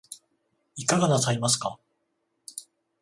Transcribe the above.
いかがなさいますか